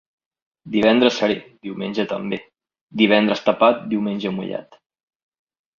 Divendres serè, diumenge també; divendres tapat, diumenge mullat.